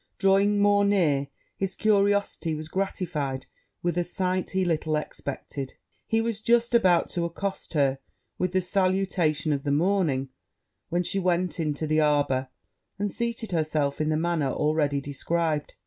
Drawing more near, his curiosity was gratified with a sight he little expected: he was just about to accost her with the salutation of the morning, when she went into the arbour, and seated herself in the manner already described.